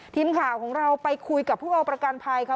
ทีมข่าวของเราไปคุยกับผู้เอาประกันภัยค่ะ